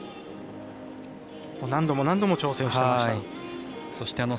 何度も何度も調整をしてました。